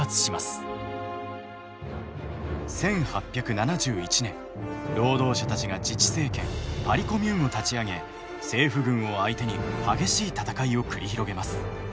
１８７１年労働者たちが自治政権「パリ・コミューン」を立ち上げ政府軍を相手に激しい戦いを繰り広げます。